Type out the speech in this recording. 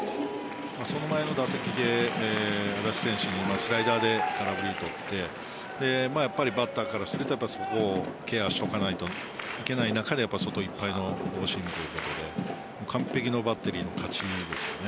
その前の打席で安達選手にスライダーで空振りを取ってやっぱりバッターからするとそこをケアしておかなければいけない中で外いっぱいのフォーシームということで完璧なバッテリーの勝ちですよね。